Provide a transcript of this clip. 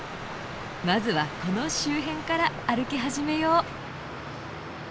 まずはこの周辺から歩き始めよう。